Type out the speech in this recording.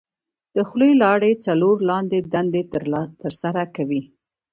د خولې لاړې څلور لاندې دندې تر سره کوي.